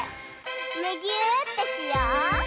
むぎゅーってしよう！